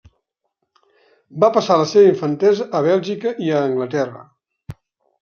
Va passar la seva infantesa a Bèlgica i a Anglaterra.